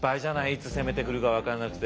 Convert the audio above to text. いつ攻めてくるか分かんなくて。